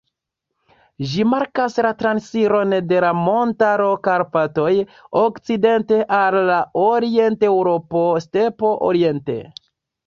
Ĝi markas la transiron de la montaro Karpatoj okcidente al la orienteŭropa stepo oriente.